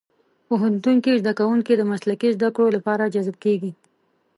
پوهنتون کې زدهکوونکي د مسلکي زدهکړو لپاره جذب کېږي.